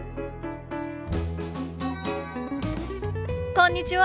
こんにちは。